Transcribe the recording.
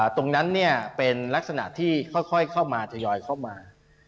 ตรงนั้นเป็นลักษณะที่ค่อยเข้ามาทยอยเข้ามา